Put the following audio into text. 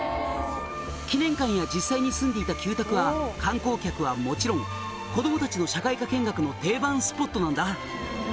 「記念館や実際に住んでいた旧宅は観光客はもちろん子供たちの社会科見学の定番スポットなんだ」